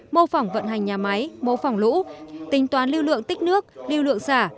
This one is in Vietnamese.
mô phỏng vận hành nhà máy mô phỏng lũ tính toán lưu lượng tích nước lưu lượng xả